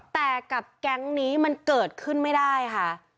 แต่กับแก๊งนี้มันเกิดขึ้นไม่ได้ค่ะ